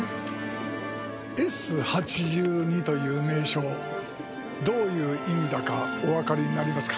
「Ｓ８２」という名称どういう意味だかおわかりになりますか？